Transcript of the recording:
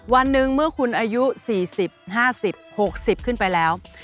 วันหนึ่งเมื่อคุณอายุ๔๐๕๐๖๐ขึ้นไปแล้ว